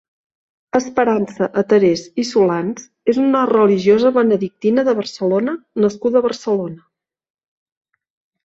Esperança Atarés i Solans és una religiosa benedictina de Barcelona nascuda a Barcelona.